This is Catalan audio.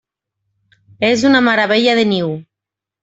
És una meravella de niu!